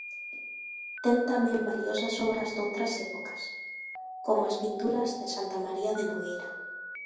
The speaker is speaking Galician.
Ten tamén valiosas obras doutras épocas, como as pinturas de Santa María de Nogueira.